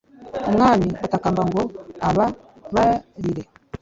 umwami batakamba ngo aba barire